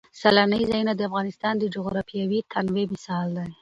سیلانی ځایونه د افغانستان د جغرافیوي تنوع مثال دی.